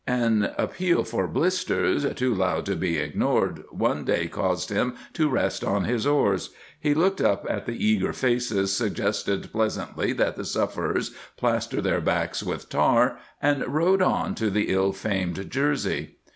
An appeal for "blisters," too loud to be ignored, one day caused him to rest on his oars; he looked up at [ 188 ] Hospitals and Prison Ships the eager faces, suggested pleasantly that the suf ferers plaster their backs with tar, and rowed on to the ill famed Jersey.